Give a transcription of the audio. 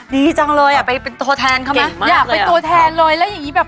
ดีจังเลยล่ะไปเป็นตัวแทนเก่งมากเลย